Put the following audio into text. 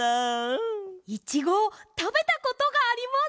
いちごをたべたことがあります！